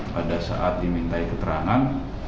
pada saat dimintai keterangan